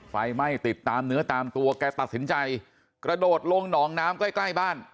ไฟไหม้ติดตามเนื้อตามตัวแกตัดสินใจกระโดดลงหนองน้ำใกล้ใกล้บ้าน